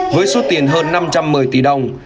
với số tiền hơn năm trăm một mươi tỷ đồng